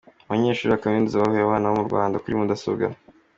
Abanyeshuri ba Kaminuza bahuguye abana bo mu Rwanda kuri mudasobwa